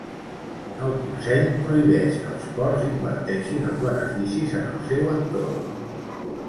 El Consell prohibeix que els ports inverteixin els beneficis en el seu entorn.